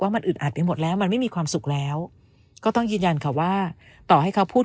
มันไม่มีความสุขแล้วก็ต้องยืนยันค่ะว่าต่อให้เขาพูด